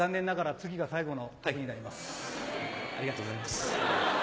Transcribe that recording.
ありがとうございます。